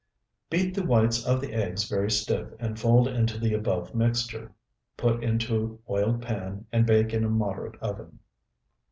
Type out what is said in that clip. Beat the whites of the eggs very stiff and fold into the above mixture. Put into oiled pan, and bake in moderate oven.